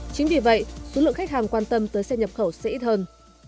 chính vì vậy số lượng khách hàng quan tâm tới xe nhập khẩu sẽ ít hơn